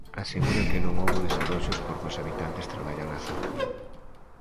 Asegura que non houbo desaloxos porque os habitantes traballan na zona.